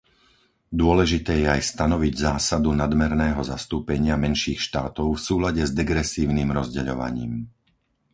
Dôležité je aj stanoviť zásadu nadmerného zastúpenia menších štátov v súlade s degresívnym rozdeľovaním.